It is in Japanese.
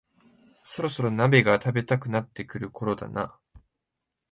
そろそろ鍋が食べたくなってくるころだな